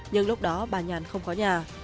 nhưng lúc đó bà nhàn không có nhà